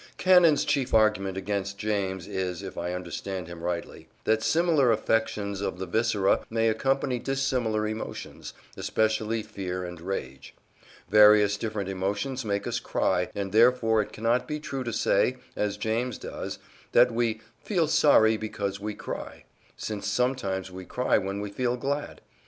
Cannon's chief argument against James is, if I understand him rightly, that similar affections of the viscera may accompany dissimilar emotions, especially fear and rage. Various different emotions make us cry, and therefore it cannot be true to say, as James does, that we "feel sorry because we cry," since sometimes we cry when we feel glad.